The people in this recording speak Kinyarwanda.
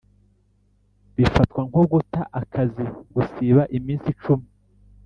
bifatwa nko guta akazi gusiba iminsi cumi